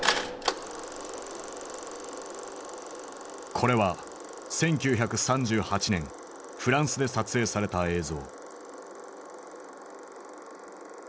これは１９３８年フランスで撮影された映像。